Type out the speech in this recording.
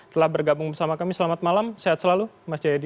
telah bergabung bersama kami selamat malam sehat selalu mas jayadi